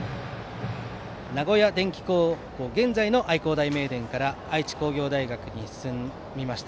名古屋電気高校現在の愛工大名電から愛知工業大学に進みました。